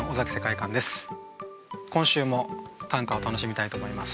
今週も短歌を楽しみたいと思います。